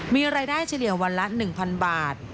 มีรายได้เฉลี่ยวันละ๑๐๐บาท